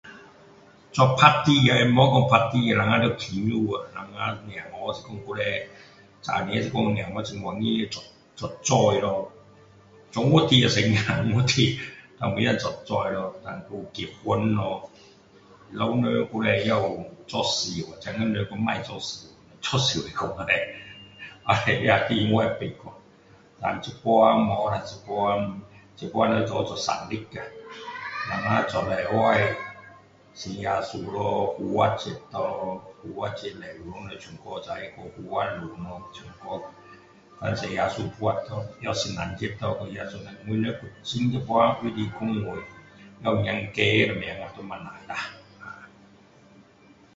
做party红毛说party我们说庆祝我们小孩以前小孩是说很高兴做做周岁咯做月子时人结婚咯人老还有做寿咯现在人都不要做寿做寿怕会被阎王知道掉现在没有啦现在现在人做做生日啊我们做礼拜信耶稣咯复活节咯复活节礼拜堂人全部去有复活蛋咯好像耶稣活咯也有圣诞节咯我们卫理公会也有游街什么都不错啦啊